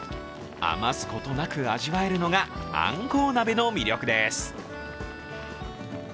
余すことなく味わえるのがアンコウ鍋の魅力です。